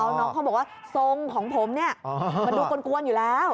น้องเขาบอกว่าทรงของผมเนี่ยมันดูกลวนอยู่แล้ว